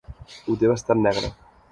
Ho té bastant negre.